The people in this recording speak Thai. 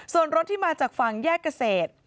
ส่วนรถที่มาจากฝั่งแยกเกษตร